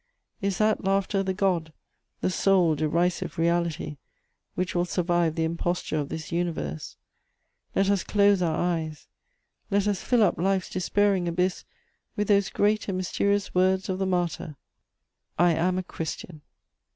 Is that laughter the God, the sole derisive reality, which will survive the imposture of this universe? Let us close our eyes; let us fill up life's despairing abyss with those great and mysterious words of the martyr: "I am a Christian!"